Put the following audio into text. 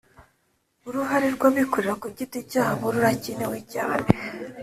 uruhare rw'abikorera ku giti cyabo rurakenewe cyane